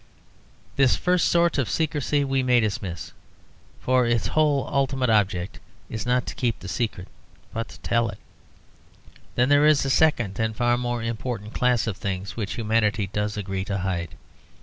This first sort of secrecy we may dismiss, for its whole ultimate object is not to keep the secret, but to tell it. Then there is a second and far more important class of things which humanity does agree to hide.